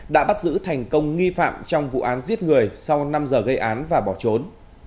đã bắt giữ thành công nghi phạm trong vụ án giết người sau năm giờ gây án và bỏ trốn